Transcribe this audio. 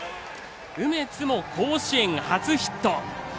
梅津も甲子園初ヒット。